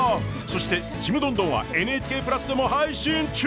そして「ちむどんどん」は「ＮＨＫプラス」でも配信中！